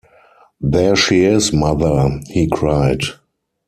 “There she is, mother!” he cried.